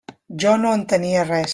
Jo no entenia res.